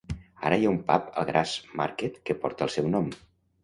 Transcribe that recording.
Ara hi ha un pub al Grassmarket que porta el seu nom.